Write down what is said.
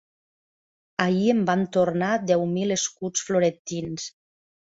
Ahir em van tornar deu mil escuts florentins.